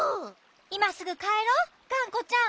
いますぐかえろうがんこちゃん。